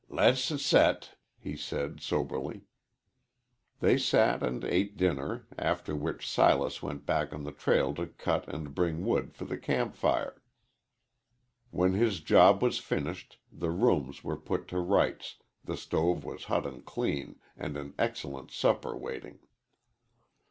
"Le's s set," said he, soberly. They sat and ate their dinner, after which Silas went back on the trail to cut and bring wood for the camp fire. When his job was finished, the rooms were put to rights, the stove was hot and clean, and an excellent supper waiting.